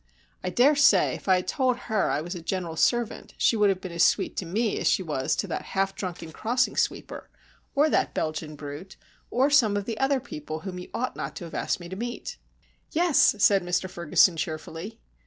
I dare say, if I had told her I was a general servant, she would have been as sweet to me as she was to that half drunken crossing sweeper, or that Belgian brute, or some of the other people whom you ought not to have asked me to meet." "Yes," said Mr Ferguson, cheerfully.